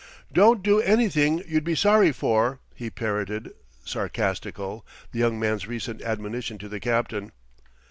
"Don't do anything you'd be sorry for," he parroted, sarcastical, the young man's recent admonition to the captain.